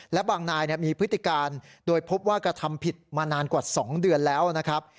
และบางนายมีพฤติการโดยพบว่ากระทำผิดมานานกว่า๒เดือนแล้วนะครับ